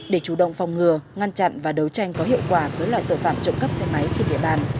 để chủ động phòng ngừa ngăn chặn và đấu tranh có hiệu quả với loại tội phạm trộm cắp xe máy trên địa bàn